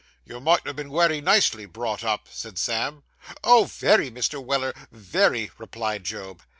'You must ha' been wery nicely brought up,' said Sam. 'Oh, very, Mr. Weller, very,' replied Job.